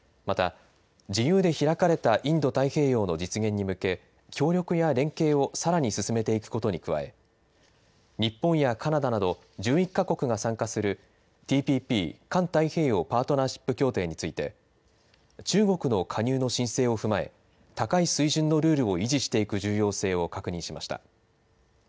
また、自由で開かれたインド太平洋の実現に向け、協力や連携をさらに進めていくことに加え、日本やカナダなど１１か国が参加する、ＴＰＰ・環太平洋パートナーシップ協定について、中国の加入の申請を踏まえ、高い水準のルールを維持していく重要性を確認しました。